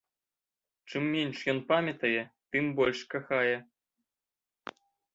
Чым менш ён памятае, тым больш кахае.